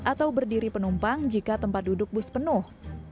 atau berdiri penumpang jika tempat duduk bus penuh